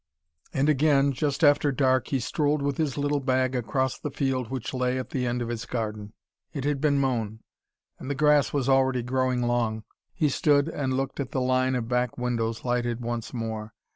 And again, just after dark, he strolled with his little bag across the field which lay at the end of his garden. It had been mown, and the grass was already growing long. He stood and looked at the line of back windows, lighted once more.